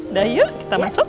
udah yuk kita masuk